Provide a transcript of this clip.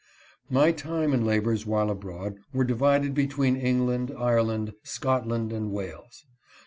My time and labors while abroad were divided between England, Ireland, Scotland, and Wales.